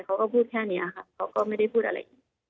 เขาก็พูดแค่นี้อะค่ะเขาก็ไม่ได้พูดอะไรอย่างเงี้ย